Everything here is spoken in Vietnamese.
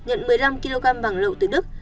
nhận một mươi năm kg vàng lậu từ đức